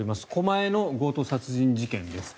狛江の強盗殺人事件です。